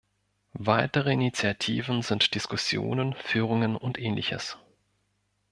Weitere Initiativen sind Diskussionen, Führungen und Ähnliches.